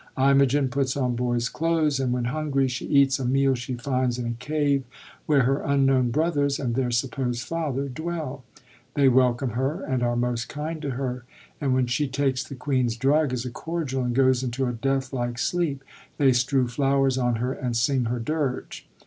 Imogen puts on boy's clothes; and when hungry she eats a meal she finds in a cave where her unknown brothers and their supposed father dwell. They welcome her and are most kind to her, and when she takes the queen's drug as a cordial, and goes into a deathlike sleep, they strew flowers on her and sing her dirge.